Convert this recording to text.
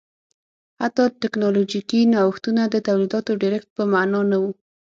حتی ټکنالوژیکي نوښتونه د تولیداتو ډېرښت په معنا نه و